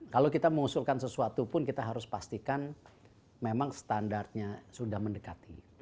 kalau kita mengusulkan sesuatu pun kita harus pastikan memang standarnya sudah mendekati